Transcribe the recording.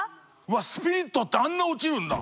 スプリットってあんな落ちるんだ？